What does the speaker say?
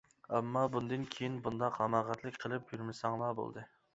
ئەمما بۇندىن كېيىن بۇنداق ھاماقەتلىك قىلىپ يۈرمىسەڭلا بولدى!